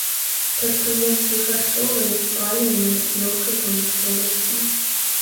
Прадпрыемствы харчовай, паліўнай, лёгкай прамысловасці.